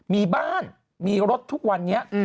มีบ้านมีรถทุกวันนี้